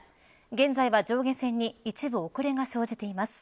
現在は上下線に一部遅れが生じています。